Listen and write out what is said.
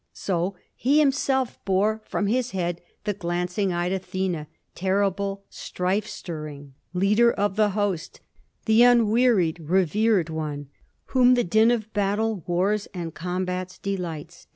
So he himself bore from his head the glancing eyed Athena, terrible, strife stirring, leader of the host, the unwearied, revered one, whom the din of battle, wars, and combat delights."